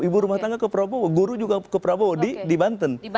ibu rumah tangga ke prabowo guru juga ke prabowo di banten